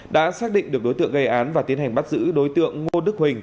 đã xác định được đối tượng gây án và tiến hành bắt giữ đối tượng ngô đức huỳnh